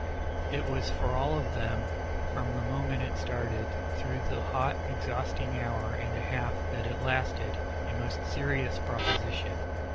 It was for all of them, from the moment it started, through the hot, exhausting hour and a half that it lasted, a most serious proposition.